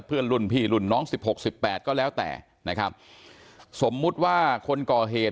เพื่อนรุ่นพี่รุ่นน้องสิบหกสิบแปดก็แล้วแต่นะครับสมมุติว่าคนก่อเหตุ